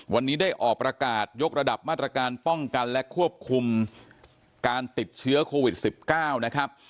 วันนี้ได้ออกประกาศยกระดับมาตรการป้องกันและควบคุมการติดเชื้อโควิด๑๙นะครับ